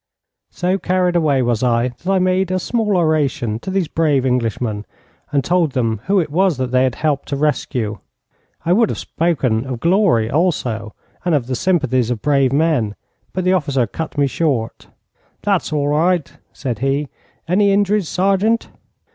So carried away was I that I made a small oration to these brave Englishmen, and told them who it was that they had helped to rescue. I would have spoken of glory also, and of the sympathies of brave men, but the officer cut me short. 'That's all right,' said he. 'Any injuries, Sergeant?'